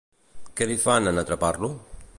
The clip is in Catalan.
Què li fan en atrapar-lo?